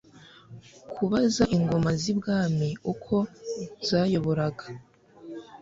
Kubaza Ingoma z'i Bwami uko zayoboraga